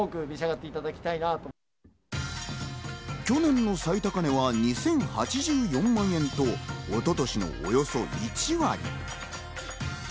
去年の最高値は２０８４万円と、一昨年のおよそ１割。